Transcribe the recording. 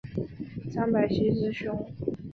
张百熙之兄。